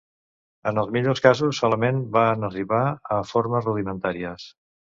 En els millors casos solament van arribar a formes rudimentàries.